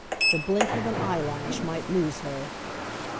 The blink of an eyelash might lose her!